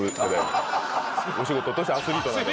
お仕事としてアスリートなので。